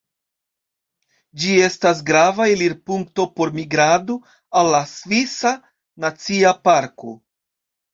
Ĝi estas grava elirpunkto por migradoj al la Svisa Nacia Parko.